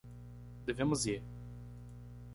Devemos ir